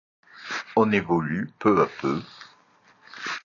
On évolue peu à peu.